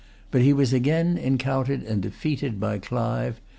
But he was again encountered and defeated by Clive.